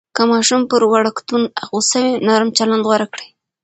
که ماشوم پر وړکتون غوصه وي، نرم چلند غوره کړئ.